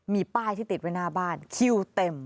มีป้ายที่ติดไว้หน้าบ้านคิวเต็ม